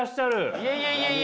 いやいやいやいや。